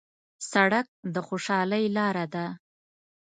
سړک د خوشحالۍ لاره ده.